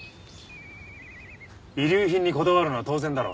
遺留品にこだわるのは当然だろ。